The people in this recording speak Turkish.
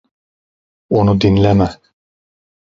Onu dinleme.